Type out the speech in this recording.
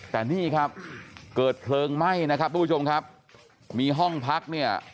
แต่นี่ครับเกิดเพลิงไหม้นะครับทุกผู้ชมครับมีห้องพักเนี่ย